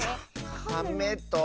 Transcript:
カメと。